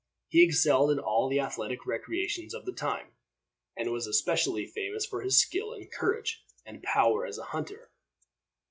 He excelled in all the athletic recreations of the time, and was especially famous for his skill, and courage, and power as a hunter.